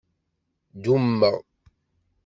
Dummeɣ.